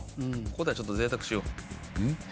ここではちょっと贅沢しよう。